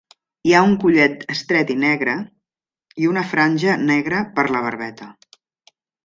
Hi ha un collet estret negre i una franja negra per la barbeta.